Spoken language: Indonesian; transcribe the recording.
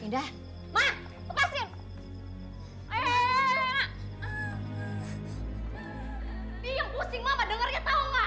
diam pusing mama dengarnya tau gak